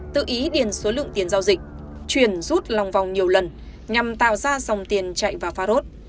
tự ý điền số lượng tiền giao dịch chuyển rút lòng vòng nhiều lần nhằm tạo ra dòng tiền chạy vào pharos